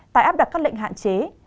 tài áp đặt các lệnh hạn chế